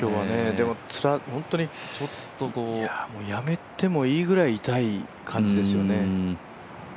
でも本当にやめてもいいぐらい痛い感じですよね。